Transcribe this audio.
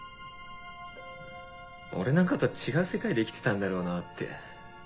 俺なんかとは違う世界で生きてたんだろうなって。